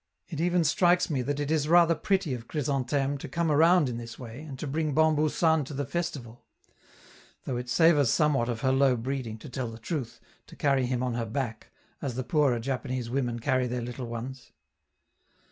It even strikes me that it is rather pretty of Chrysantheme to come around in this way, and to bring Bambou San to the festival; though it savors somewhat of her low breeding, to tell the truth, to carry him on her back, as the poorer Japanese women carry their little ones.